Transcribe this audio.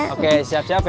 oke siap siap ya